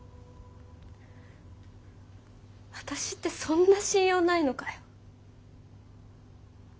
私ってそんな信用ないのかよ。